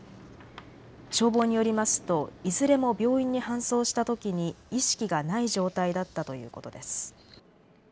消防によりますと、いずれも病院に搬送したときに意識がない状態だったということです。